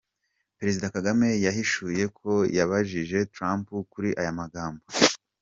Perezida Kagame yahishuye ko yabajije Trump kuri aya magambo